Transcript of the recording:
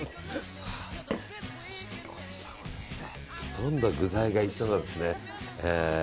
そしてこちらをほとんど具材が一緒なんですね。